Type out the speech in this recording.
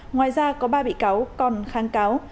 ngoài ra có ba bị cáo còn kháng cáo